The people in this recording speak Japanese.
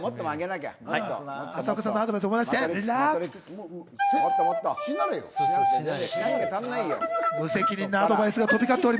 朝岡さんのアドバイスを思い